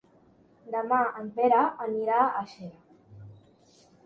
Demà en Pere anirà a Xera.